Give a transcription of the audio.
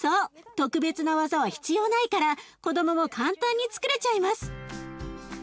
特別な技は必要ないから子どもも簡単につくれちゃいます。